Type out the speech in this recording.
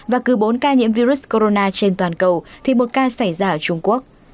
và cứ bốn ca nhiễm virus corona trên toàn cầu thì một ca xảy ra ở trung quốc